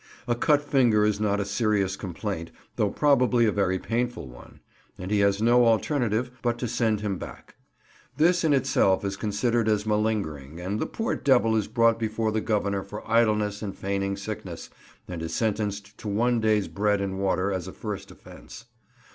A cut finger is not a serious complaint though probably a very painful one; and he has no alternative but to send him back. This in itself is considered as malingering; and the poor devil is brought before the Governor for idleness and feigning sickness, and is sentenced to one day's bread and water as a first offence.